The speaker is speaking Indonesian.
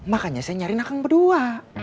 makanya saya nyariin akang berdua